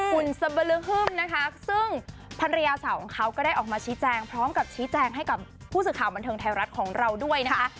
คุณสบรึฮึ่มนะคะซึ่งภรรยาสาวของเขาก็ได้ออกมาชี้แจงพร้อมกับชี้แจงให้กับผู้สื่อข่าวบันเทิงไทยรัฐของเราด้วยนะคะ